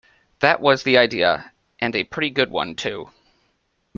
That was the idea, and a pretty good one too.